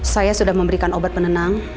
saya sudah memberikan obat penenang